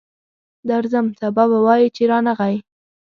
درځم، سبا به وایې چې رانغی.